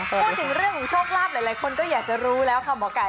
พูดถึงเรื่องของโชคลาภหลายคนก็อยากจะรู้แล้วค่ะหมอไก่